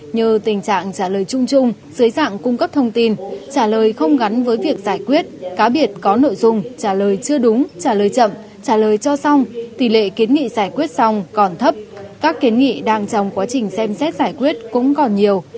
nhờ tình trạng trả lời chung chung dưới dạng cung cấp thông tin trả lời không gắn với việc giải quyết cá biệt có nội dung trả lời chưa đúng trả lời chậm trả lời cho xong tỷ lệ kiến nghị giải quyết xong còn thấp các kiến nghị đang trong quá trình xem xét giải quyết cũng còn nhiều